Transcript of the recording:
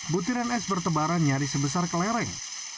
butiran es bertebaran nyaris sebesar kelereng